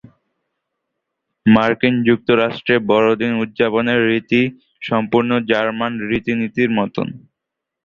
মার্কিন যুক্তরাষ্ট্রে বড়দিন উদযাপনের রীতি সম্পূর্ণ জার্মান রীতিনীতির মতন।